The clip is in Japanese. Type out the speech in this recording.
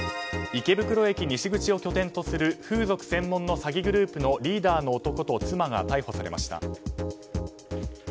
池袋駅西口を拠点とする風俗専門の詐欺グループのリーダーの男と妻が逮捕されました。